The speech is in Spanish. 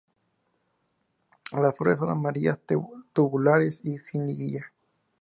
Las flores son amarillas, tubulares y sin lígula.